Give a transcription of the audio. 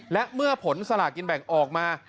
และเมื่อผลสลากินแบ่งออกมา